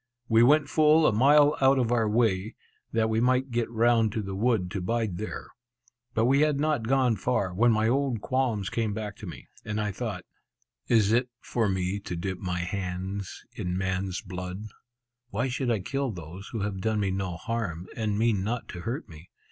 We went full a mile out of our way, that we might get round to the wood to bide there. But we had not gone far, when my old qualms came back to me, and I thought, "Is it for me to dip my hands in man's blood? Why should I kill those who have done me no harm, and mean not to hurt me?